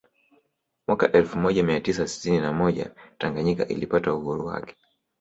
Mwaka elfu moja mia tisa sitini na moja Tanganyika ilipata uhuru wake